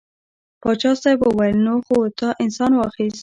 پاچا صاحب وویل نو خو تا انسان واخیست.